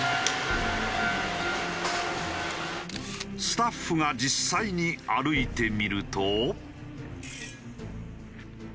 スタッフが実際に歩いてみると。